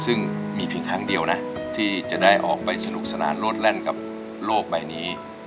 ซึ่งมีเพียงครั้งเดียวนะที่จะได้ออกไปสนุกสนานโลดแล่นกับโลกใบนี้